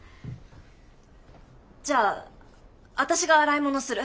じゃあ私が洗い物する。